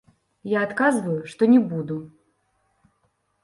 Я адказваю, што не буду.